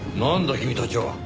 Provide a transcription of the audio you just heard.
君たちは。